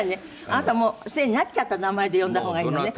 あなたもうすでになっちゃった名前で呼んだ方がいいのね。